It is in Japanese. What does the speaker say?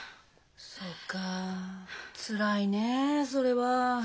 そうかつらいねそれは。